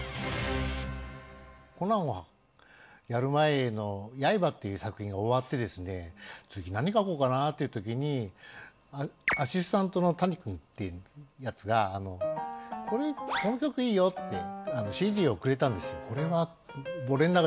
コナンは、やる前のヤイバっていう作品が終わってですね、次、何描こうかなと思ったときに、アシスタントの谷君ってやつが、これ、この曲いいよって、ＣＤをくれたんですよ。